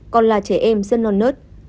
còn là trẻ em rất non nớt